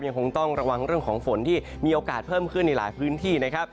ยังคงต้องระวังเรื่องของฝนที่มีโอกาสเพิ่มขึ้นในหลายพื้นที่นะครับ